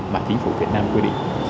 mà chính phủ việt nam quyết định